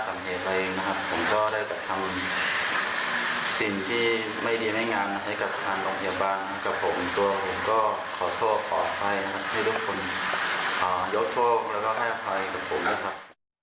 และให้อภัยให้บุคคลนะครับ